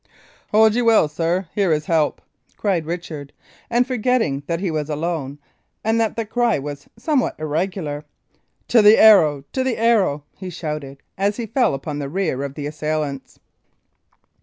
"Hold ye well, sir! Here is help!" cried Richard; and forgetting that he was alone, and that the cry was somewhat irregular, "To the Arrow! to the Arrow!" he shouted, as he fell upon the rear of the assailants.